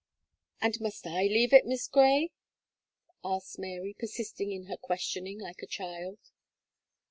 "And must I leave it, Miss Gray?" asked Mary, persisting in her questioning like a child.